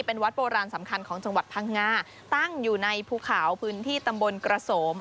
เป็นวัดโบราณสำคัญของจังหวัดพังงาตั้งอยู่ในภูเขาพื้นที่ตำบลกระโสม